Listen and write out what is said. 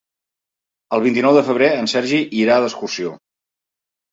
El vint-i-nou de febrer en Sergi irà d'excursió.